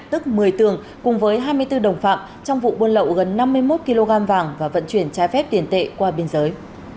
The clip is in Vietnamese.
tức một mươi tường cùng với hai mươi bốn đồng phạm trong vụ buôn lậu gần năm mươi một kg vàng và vận chuyển trái phép tiền tệ qua biên giới